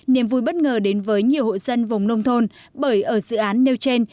niềm vui bất ngờ đến với nhiều hộ dân vùng nông thôn bởi ở dự án nêu trên